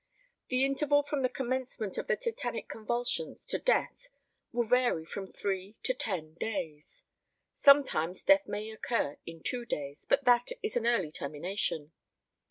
The interval from the commencement of the tetanic convulsions to death will vary from three to ten days. Sometimes death may occur in two days, but that is an early termination.